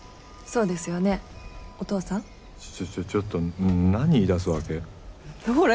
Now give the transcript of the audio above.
ちょちょちょちょっと何言い出すわけ？ほら！